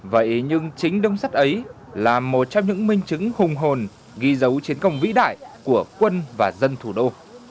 vậy nhưng chính đông sắt ấy là một trong những minh chứng hùng hồn ghi dấu chiến công vĩ đại của quân và dân thủ đô